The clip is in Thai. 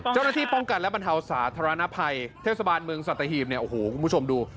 เจ้าหน้าที่ป้องกันและบรรเทาสาธารณภัยเทศบาลเมืองสัตหีบเนี่ยโอ้โหคุณผู้ชมดู